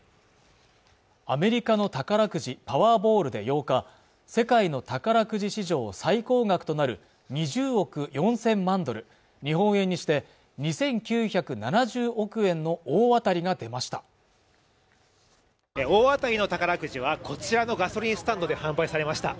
アメリカの宝くじパワーボールで８日世界の宝くじ史上最高額となる２０億４０００万ドル日本円にして２９７０億円の大当たりが出ました大当たりの宝くじはこちらのガソリンスタンドで販売されました